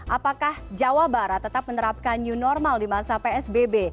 apakah jawa barat tetap menerapkan new normal di masa psbb